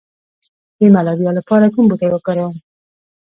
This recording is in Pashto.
د ملاریا لپاره کوم بوټی وکاروم؟